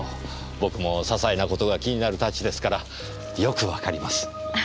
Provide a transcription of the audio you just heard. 僕もささいなことが気になる性質ですからよくわかります。